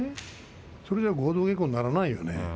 それでは合同稽古にはならないよね？